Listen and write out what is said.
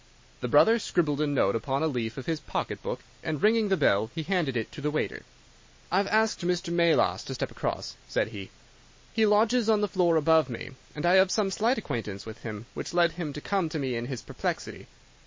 The brother scribbled a note upon a leaf of his pocket book, and, ringing the bell, he handed it to the waiter. "I have asked Mr. Melas to step across," said he. "He lodges on the floor above me, and I have some slight acquaintance with him, which led him to come to me in his perplexity.